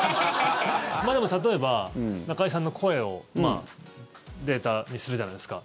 でも例えば、中居さんの声をデータにするじゃないですか。